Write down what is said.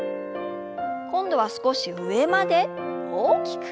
今度は少し上まで大きく。